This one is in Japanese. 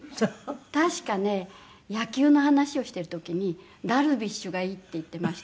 確かね野球の話をしてる時に「ダルビッシュがいい」って言ってましたから。